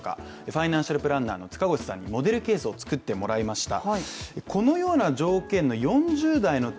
ファイナンシャルプランナーの塚越さんにモデルケースを作ってもらいました。